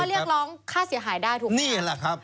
เรียกร้องค่าเสียหายได้ถูกไหมนี่แหละครับ